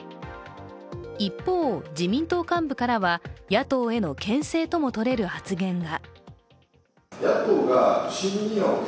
一方、自民党幹部からは野党へのけん制ともとれる発言が。